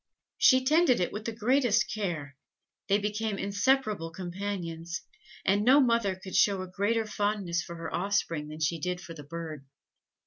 She tended it with the greatest care; they became inseparable companions, and no mother could show a greater fondness for her offspring than she did for the bird.